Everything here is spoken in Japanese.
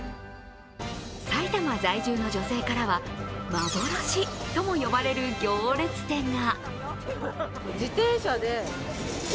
埼玉在住の女性からは幻とも呼ばれる行列店が。